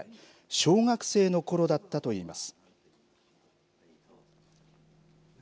小学生のころだったといいます。